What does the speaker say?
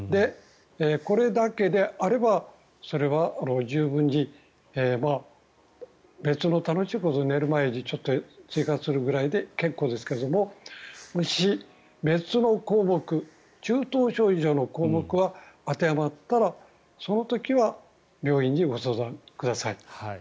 これだけであればそれは十分に別の楽しいことを寝る前にちょっとやるぐらいで健康ですけどももし、別の項目中等症以上の項目が当てはまったらその時は病院にご相談ください。